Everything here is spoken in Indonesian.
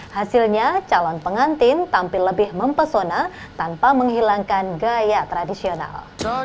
hasilnya calon pengantin tampil lebih mempesona tanpa menghilangkan gaya tradisional